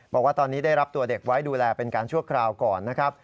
บอกว่าตอนนี้ได้รับตัวเด็กไว้ดูแลเป็นการชั่วคราวก่อนนะครับ